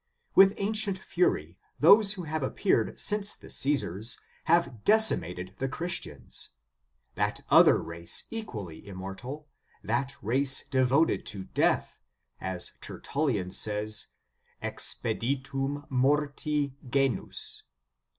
With ancient fury, those who have appeared since the Caesars have decimated the Christians ; that other race equally immortal, that race devoted to death, as Tertullian says, expedilum morti genus.